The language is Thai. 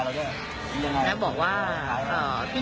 เสร็จแล้วก็เขาไม่บอกอะไรเลย